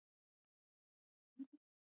وګړي د افغانستان د موسم د بدلون سبب کېږي.